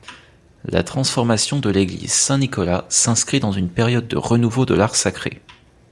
La transformation de l'église Saint-Nicolas s'inscrit dans une période de renouveau de l'art sacré.